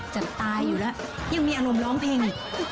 จะตายอยู่แล้วยังมีอังกฎร้องเพียง